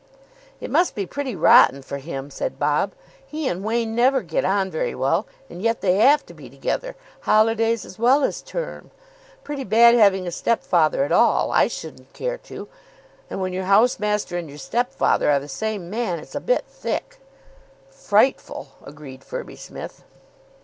"It must be pretty rotten for him," said Bob. "He and Wain never get on very well, and yet they have to be together, holidays as well as term. Pretty bad having a step father at all I shouldn't care to and when your house master and your step father are the same man, it's a bit thick." "Frightful," agreed Firby Smith.